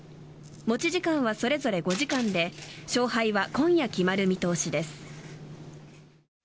持ち時間はそれぞれ５時間で勝敗は今夜決まる見通しです。